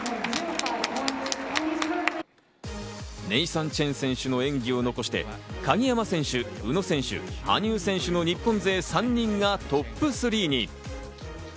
ネイサン・チェン選手の演技を残して鍵山選手、宇野選手、羽生選手の日本勢３人がトップ３に。